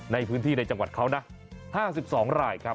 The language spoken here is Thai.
ในพื้นที่ในจังหวัดเขานะ๕๒รายครับ